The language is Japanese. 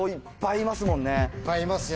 いっぱいいますよ。